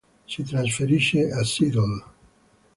Si trasferisce a Seattle.